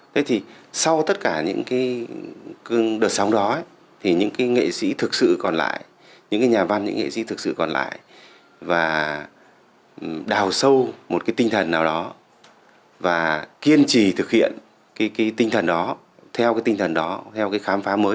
thế thì sau tất cả những cái đợt sóng đó thì những cái nghệ sĩ thực sự còn lại những cái nhà văn những nghệ sĩ thực sự còn lại và đào sâu một cái tinh thần nào đó và kiên trì thực hiện cái tinh thần đó theo cái tinh thần đó theo cái khám phá mới